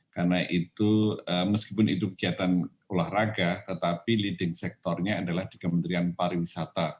karena itu meskipun itu kegiatan olahraga tetapi leading sectornya adalah di kementerian pariwisata